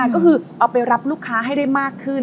ก็คือเอาไปรับลูกค้าให้ได้มากขึ้น